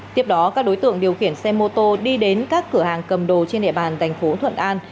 tiếp đó các đối tượng điều khiển xe mô tô đi đến các cửa hàng cầm đồ trên địa bàn thành phố thuận an